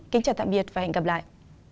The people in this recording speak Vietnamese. kính chào tạm biệt và hẹn gặp lại